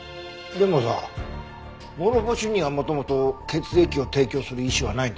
でもさ諸星には元々血液を提供する意思はないんだよね？